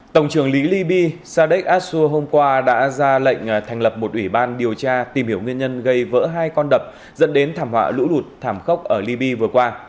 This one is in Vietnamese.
tổng trưởng lý ly bi sadek asur hôm qua đã ra lệnh thành lập một ủy ban điều tra tìm hiểu nguyên nhân gây vỡ hai con đập dẫn đến thảm họa lũ lụt thảm khốc ở ly bi vừa qua